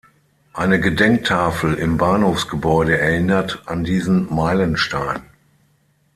Eine Gedenktafel im Bahnhofsgebäude erinnert an diesen Meilenstein.